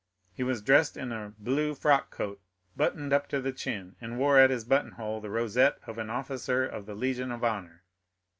He was dressed in a blue frock coat, buttoned up to the chin, and wore at his button hole the rosette of an officer of the Legion of Honor.